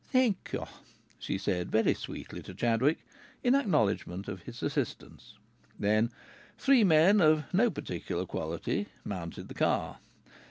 "Thank you," she said very sweetly to Chadwick, in acknowledgment of his assistance. Then three men of no particular quality mounted the car.